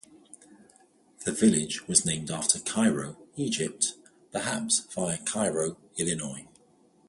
The village was named after Cairo, Egypt, perhaps via Cairo, Illinois.